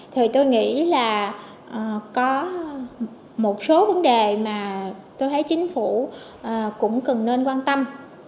thì tôi nghĩ là có một số vấn đề mà tôi thấy chính phủ cũng cần nên quan tâm